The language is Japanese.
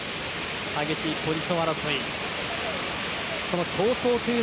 激しいポジション争い。